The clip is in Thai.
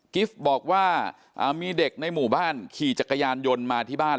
กิฟต์บอกว่ามีเด็กในหมู่บ้านขี่จักรยานยนต์มาที่บ้าน